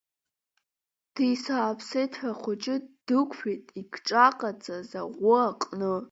Ди, сааԥсеит ҳәа ахәыҷы дықәиеит икҿаҟаҵаз аӷәы аҟны.